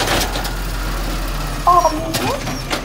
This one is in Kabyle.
Textaṛem-iyi?